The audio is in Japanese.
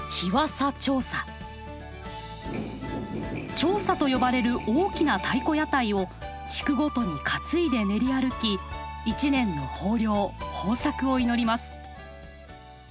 ちょうさと呼ばれる大きな太鼓屋台を地区ごとに担いで練り歩き一年の豊漁豊作を祈ります。